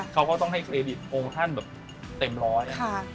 เขาก็ต้องให้เครดิตองค์ท่านแบบเต็มร้อย